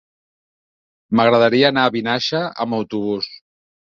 M'agradaria anar a Vinaixa amb autobús.